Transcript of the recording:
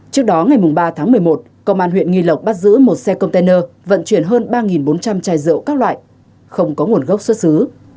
trước đó ngày ba tháng một mươi một công an huyện nghi lộc bắt giữ một xe container vận chuyển hơn ba bốn trăm linh chai rượu các loại không có nguồn gốc xuất xứ